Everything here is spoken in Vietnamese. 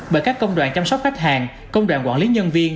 bởi các công đoạn chăm sóc khách hàng công đoàn quản lý nhân viên